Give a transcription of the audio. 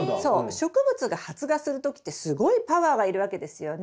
植物が発芽する時ってすごいパワーがいるわけですよね。